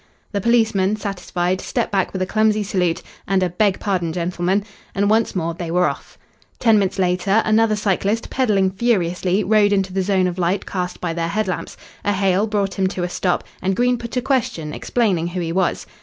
The policeman, satisfied, stepped back with a clumsy salute and a "Beg pardon, gentlemen," and once more they were off. Ten minutes later, another cyclist, pedaling furiously, rode into the zone of light cast by their head lamps. A hail brought him to a stop, and Green put a question, explaining who he was.